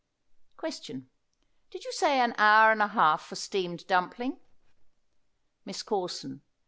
Question. Did you say an hour and a half for steamed dumpling? MISS CORSON.